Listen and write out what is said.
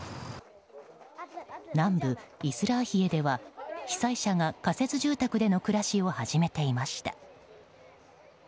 南部イスラーヒエでは被災者が、仮設住宅での暮らしを始めていました。